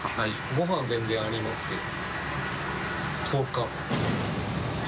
ごはん全然ありますけど。